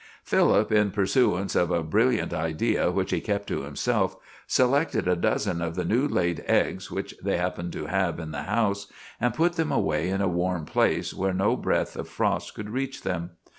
Philip, in pursuance of a brilliant idea which he kept to himself, selected a dozen of the new laid eggs which they happened to have in the house, and put them away in a warm place where no breath of frost could reach them.